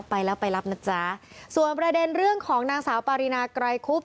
ไปแล้วไปรับนะจ๊ะส่วนประเด็นเรื่องของนางสาวปารีนาไกรคุบ